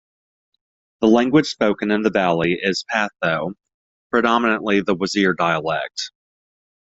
The language spoken in the valley is Pashto, predominantly the Wazir dialect.